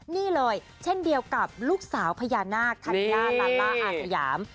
นี่เลยเช่นเดียวกับลูกสาวพญานาคธัญญาลาล่าอาสยาม